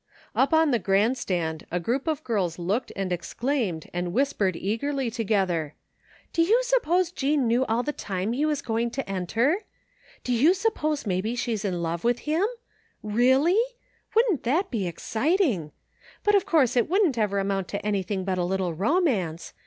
Up on the grandstand a group of girls looked and 222 THE FINDmG OF JASPER HOLT exclaimed and whispered eagerly together: "Do you suppose Jean knew all the time he was going to enter? Do you suppose maybe she's in love with him ? Really? Wouldn't that be exciting ? But of course it couldn't ever amount to anything but a little romance